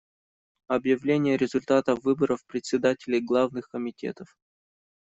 Объявление результатов выборов председателей главных комитетов.